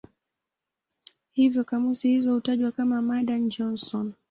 Hivyo kamusi hizo hutajwa kama "Madan-Johnson".